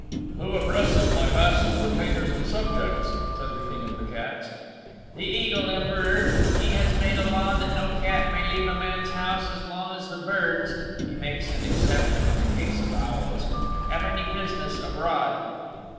"Who oppresses my vassals, retainers and subjects?" said the King of the Cats. "The Eagle Emperor. He has made a law that no cat may leave a man's house as long as the birds (he makes an exception in the case of owls) have any business abroad."